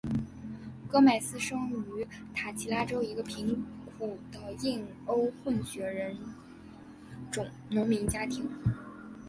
戈麦斯生于塔奇拉州一个贫苦的印欧混血种人农民家庭。